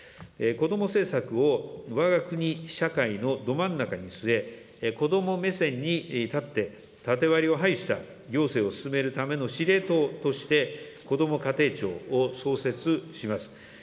子ども政策をわが国社会のど真ん中に据え、子ども目線に立って縦割りを廃した行政を進めるための司令塔として、こども家庭庁を創設します。